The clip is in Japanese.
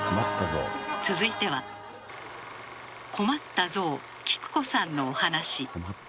続いては「困った象キク子さん」のお話。